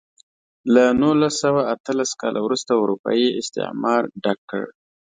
له نولس سوه اتلس کال وروسته اروپايي استعمار ډک کړ.